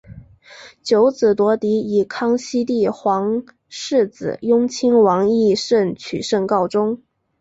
九子夺嫡以康熙帝皇四子雍亲王胤禛取胜告终。